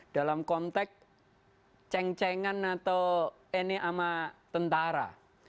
dalam konteks ceng cengan atau ini sama tentara